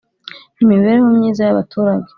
Imibereho myiza y abaturage